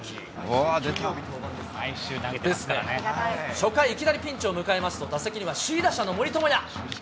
初回いきなりピンチを迎えますと、打席には首位打者の森友哉。